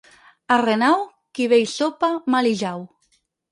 A Renau qui bé hi sopa, mal hi jau.